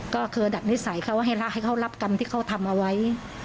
ก็เคยดัดนิสัยเขาให้เขารับกรรมที่เขาทำเอาไว้